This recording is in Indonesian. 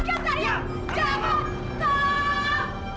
sebenarnya apa yang terjadi